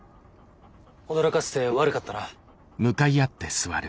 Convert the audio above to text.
驚かせて悪かったな。